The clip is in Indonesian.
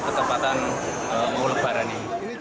ke tempatan ulebaran ini